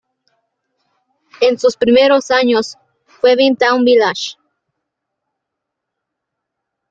En sus primeros años, fue Bein Town Village.